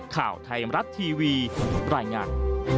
ข่าวไทยมรัฐทีวีรายงาน